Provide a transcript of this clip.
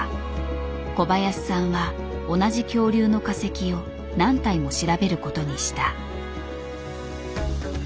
小林さんは同じ恐竜の化石を何体も調べる事にした。